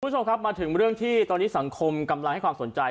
คุณผู้ชมครับมาถึงเรื่องที่ตอนนี้สังคมกำลังให้ความสนใจ